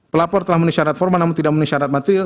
pelapor telah menisyarat formal namun tidak menisyarat material